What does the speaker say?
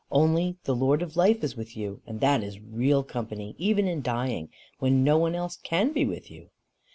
Only, the Lord of Life is with you, and that is real company, even in dying, when no one else can be with you."